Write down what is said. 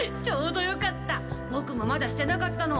ボクもまだしてなかったの。